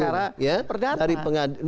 ini perkara perdata